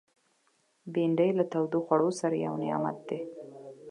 بېنډۍ له تودو خوړو سره یو نعمت دی